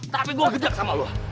tapi gue gedek sama lo